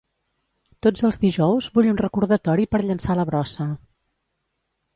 Tots els dijous vull un recordatori per llençar la brossa.